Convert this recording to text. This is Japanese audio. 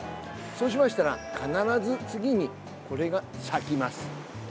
そうしましたら必ず次に、これが咲きます。